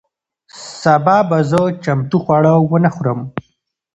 سبا به زه چمتو خواړه ونه خورم.